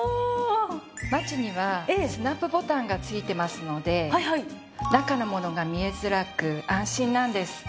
マチにはスナップボタンが付いてますので中のものが見えづらく安心なんです。